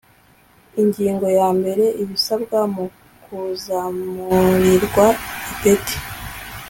Ingingo ya mbere Ibisabwa mu kuzamurirwa ipeti